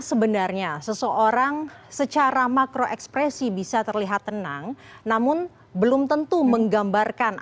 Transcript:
sebenarnya seseorang secara makro ekspresi bisa terlihat tenang namun belum tentu menggambarkan